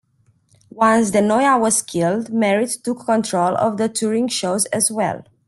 Once De Noia was killed, Merritt took control of the touring shows as well.